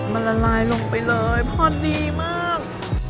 มันละลายลงไปเลยพอดีมาก